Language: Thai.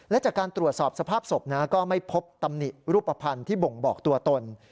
และจากการตรวจสอบสภาพศพก็ไม่พบตำหนิรูปภัณฑ์ที่บ่งบอกตัวตน